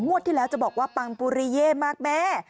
ที่แล้วจะบอกว่าปังปุริเย่มากแม่